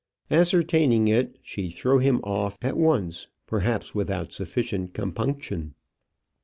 Ascertaining it, she threw him off at once perhaps without sufficient compunction.